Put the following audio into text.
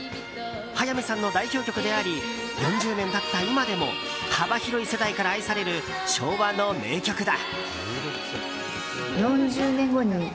早見さんの代表曲であり４０年経った今でも幅広い世代から愛される昭和の名曲だ。